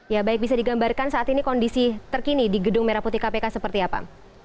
ya baik bisa digambarkan saat ini kondisi terkini di gedung merah putih kpk seperti apa